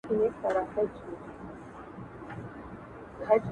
او تشویشونو هم خوند راکاوه